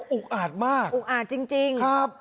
อุกอาดมากอุกอาจจริงครับ